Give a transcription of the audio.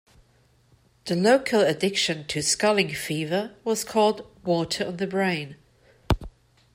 The local addiction to sculling fever was called "water on the brain".